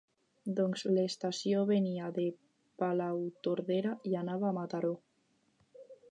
Doncs l'estació venia de Palautordera i anava a Mataró.